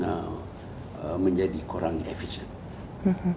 ada sekelintir orang juga yang menyatakan bahwa anda ini lebih fokus juga untuk membangun malaysia